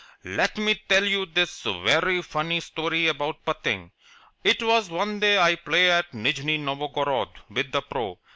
"Let me tell you one vairy funny story about putting. It was one day I play at Nijni Novgorod with the pro.